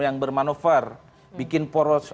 yang bermanover bikin poros